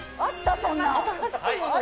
そんなの？